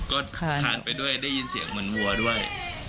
ก็ทานไปด้วยได้ยินเสียงเหมือนวัวด้วย